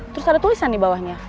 terus ada tulisan di bawahnya